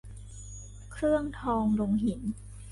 เครื่องทองลงหิน